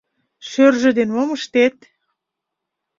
- Шӧржӧ ден мом ыштет?